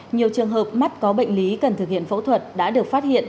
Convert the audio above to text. nhiều trường hợp mắt có bệnh lý cần thực hiện phẫu thuật đã được phát hiện